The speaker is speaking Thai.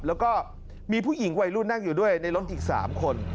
แล้วก็มีผู้หญิงวัยรุ่นนั่งอยู่ด้วยในรถอีก๓คน